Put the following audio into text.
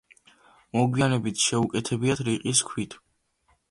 მოგვიანებით შეუკეთებიათ რიყის ქვით.